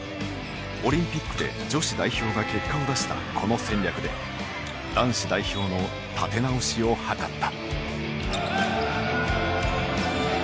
オリンピックで女子代表が結果を出した、この戦略で男子代表の立て直しを図った。